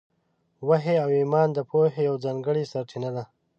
وحي او ایمان د پوهې یوه ځانګړې سرچینه ده.